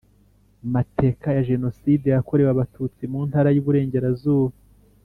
mateka ya Jenoside yakorewe Abatutsi mu Ntara y Iburengerazuba